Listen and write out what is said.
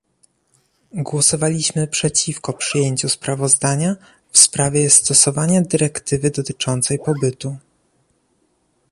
Głosowaliśmy przeciwko przyjęciu sprawozdania w sprawie stosowania dyrektywy dotyczącej pobytu